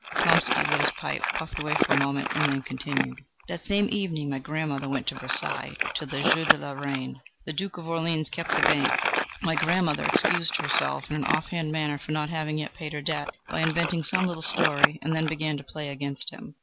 Tomsky lit his pipe, puffed away for a moment and then continued: "That same evening my grandmother went to Versailles to the jeu de la reine. The Duke of Orleans kept the bank; my grandmother excused herself in an off hand manner for not having yet paid her debt, by inventing some little story, and then began to play against him.